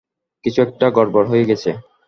কিছু একটা গড়বড় হয়ে গেছে।